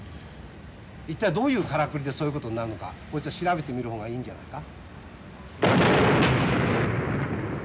一体どういうからくりでそういうことになるのかこいつは調べてみる方がいいんじゃないか？